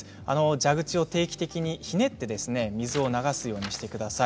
蛇口を定期的にひねって水を流すようにしてください。